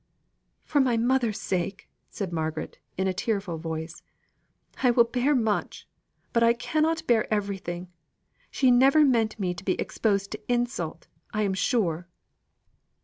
"For my mother's sake," said Margaret, in a tearful voice, "I will bear much; but I cannot bear everything. She never meant me to be exposed to insult, I am sure."